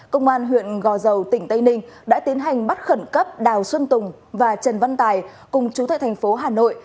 công an huyện gò dầu tỉnh tây ninh đã tiến hành bắt khẩn cấp đào xuân tùng và trần văn tài cùng chú thệ thành phố hà nội